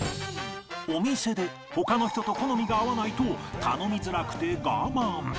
お店で他の人と好みが合わないと頼みづらくて我慢